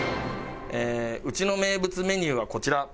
うちの名物メニューはこちら。